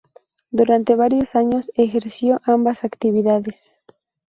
Durante varios años ejerció ambas actividades.